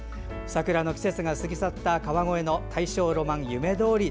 桜の季節が過ぎ去った川越の大正浪漫夢通り。